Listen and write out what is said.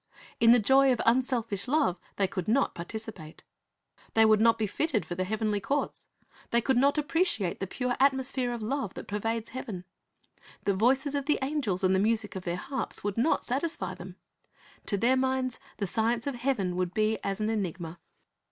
In the joy of unselfish love they could not participate. They would not be fitted for the heavenly 1 1 Cor. 12 : 7 Talents 365 courts. They could not appreciate the pure atmosphere of love that pervades heaven. The voices of the angels and the music of their harps would not, satisfy them. To their minds the science of heaven would be as an enigma.